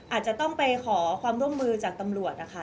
อาจจะต้องไปขอความร่วมมือจากตำรวจนะคะ